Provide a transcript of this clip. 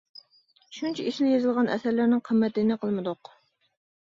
شۇنچە ئېسىل يېزىلغان ئەسەرلەرنىڭ قىممىتىنى قىلمىدۇق.